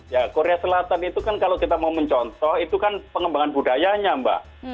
ya korea selatan itu kan kalau kita mau mencontoh itu kan pengembangan budayanya mbak